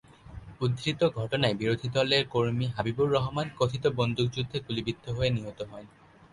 উদ্ধৃত ঘটনায় বিরোধী দলের কর্মী হাবিবুর রহমান কথিত বন্দুক যুদ্ধে গুলিবিদ্ধ হয়ে নিহত হন।